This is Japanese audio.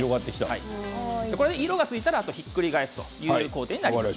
色がついたらひっくり返すという工程です。